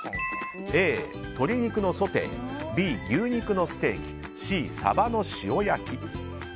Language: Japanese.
Ａ、鶏肉のソテーＢ、牛肉のステーキＣ、サバの塩焼き。